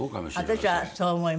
私はそう思います。